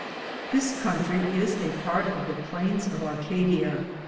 This cuntrie is a parte of the plains of Arcadia.